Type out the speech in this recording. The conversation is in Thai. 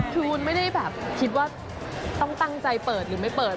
คือวุ้นไม่ได้แบบคิดว่าต้องตั้งใจเปิดหรือไม่เปิด